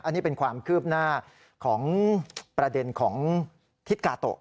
อันนี้เป็นความคืบหน้าของประเด็นของทิศกาโตะ